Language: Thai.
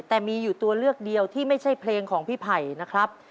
แต่มีอยู่ตัวเลือกเดียวที่ไม่ใช่เพลงของพี่ไผ่นะครับ